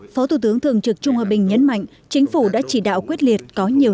phó thủ tướng thường trực trung hòa bình nhấn mạnh chính phủ đã chỉ đạo quyết liệt có nhiều